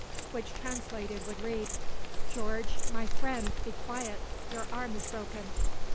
Which translated would read: "George, my friend, be quiet, your arm is broken."